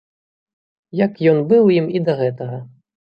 Як ён быў ім і да гэтага.